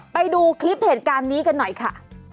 ไปดูคลิปเหตุการณ์นี้กันหน่อยค่ะ